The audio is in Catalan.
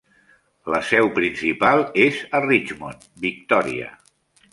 La seu principal és a Richmond, Victòria.